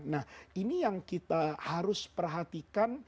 nah ini yang kita harus perhatikan